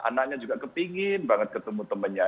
anaknya juga kepingin banget ketemu temennya